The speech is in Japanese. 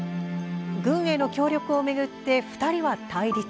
軍への協力を巡って２人は対立。